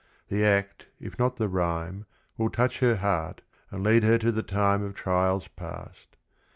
The act, if not the rhyme, Will touch her heart, and lead her to the time Of trials past.